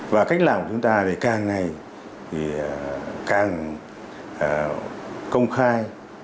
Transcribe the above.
và cách làm của chúng ta càng ngay càng công khai